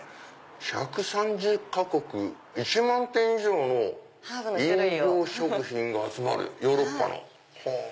１３０か国１万点以上の飲料食品が集まるヨーロッパの！